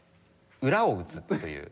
裏を打つという。